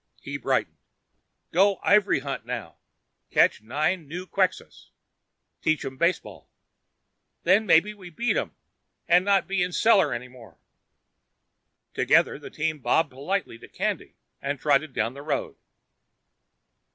He brightened. "Go ivory hunt now. Catch nine new Quxas. Teach 'em baseball. Then maybe we beat 'em and not be in cellar any more." Together, the team bobbed politely to Candy and trotted down the road.